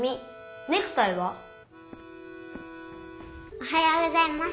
おはようございます。